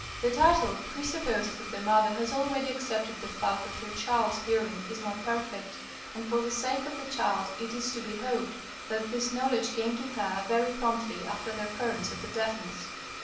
The title presupposes that the mother has already accepted the fact that her child's hearing is not perfect, and, for the sake of the child, it is to be hoped that this knowledge came to her very promptly after the occurrence of the deafness.